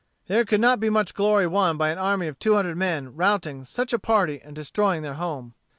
There could not be much glory won by an army of two hundred men routing such a party and destroying their home.